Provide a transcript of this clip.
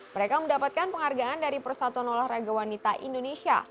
mereka mendapatkan penghargaan dari persatuan olahraga wanita indonesia